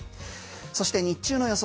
そして日中の予想